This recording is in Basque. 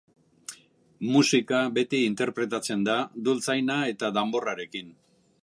Musika beti interpretatzen da dultzaina eta danborrarekin.